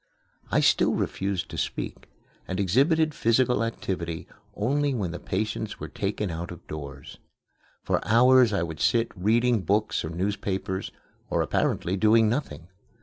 I still refused to speak, and exhibited physical activity only when the patients were taken out of doors. For hours I would sit reading books or newspapers, or apparently doing nothing.